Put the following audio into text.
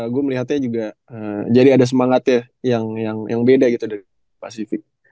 gue melihatnya juga jadi ada semangatnya yang beda gitu dari pasifik